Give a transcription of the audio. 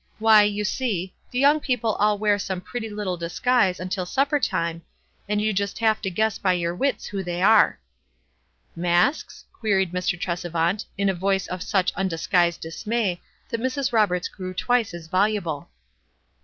Why, you see, the young people all wear some pretty little disguise until supper time, and you just have to guess by your wita who thev nre." 228 WISE AND OTHERWISE. " Masks ?" queried Mr. Tresevant, in a voice of such undisguised dismay, that Mrs. Roberts grew twice as voluble.